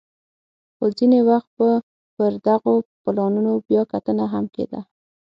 خو ځیني وخت به پر دغو پلانونو بیا کتنه هم کېده